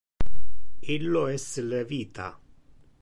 Illo es le vita.